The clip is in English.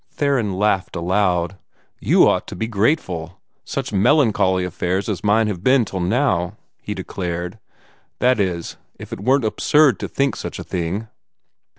Theron laughed aloud. "You ought to be grateful such melancholy affairs as mine have been till now," he declared "that is, if it weren't absurd to think such a thing."